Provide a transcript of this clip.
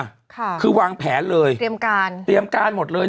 ค่ะคือวางแผนเลยเตรียมการเตรียมการหมดเลย